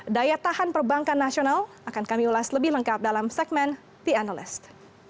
daya tahan perbankan nasional akan kami ulas lebih lengkap dalam segmen the analyst